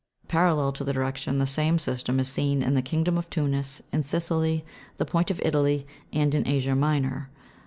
Parallel to this direction the same system is seen in the kingdom of Tunis, in Sicily, the point of Italy, and in Asia Minor.